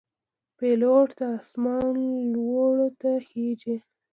پیلوټ د آسمان لوړو ته خېژي.